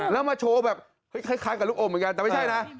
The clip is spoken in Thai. แล้วมาโชว์แบบคล้ายกับลูกอมเหมือนกันแต่ไม่ใช่นะ